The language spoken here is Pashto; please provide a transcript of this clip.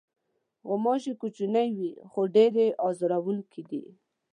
غوماشې کوچنۍ وي، خو ډېرې آزاروونکې دي.